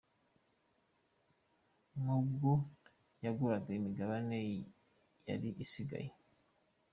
mu ubwo yaguraga imigabane yari isigaye.